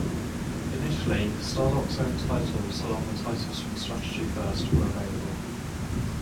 Initially, Stardock's own titles along with titles from Strategy First were available.